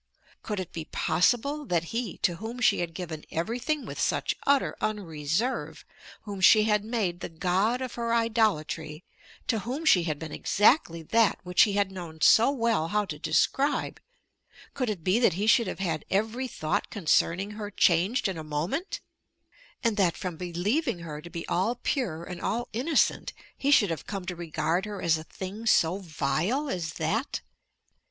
Could it be possible that he, to whom she had given everything with such utter unreserve, whom she had made the god of her idolatry, to whom she had been exactly that which he had known so well how to describe, could it be that he should have had every thought concerning her changed in a moment, and that from believing her to be all pure and all innocent, he should have come to regard her as a thing so vile as that?